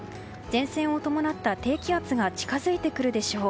前線を伴った低気圧が近づいてくるでしょう。